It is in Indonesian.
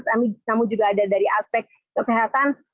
namun juga ada dari aspek kesehatan